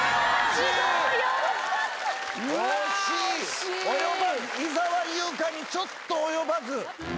伊沢有香にちょっと及ばず。